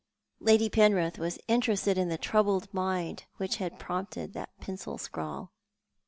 Lady Penrith was interested in the troubled mind whicn iiad prompted that pencil scrawl.